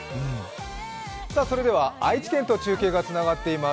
それでは、愛知県と中継がつながっています。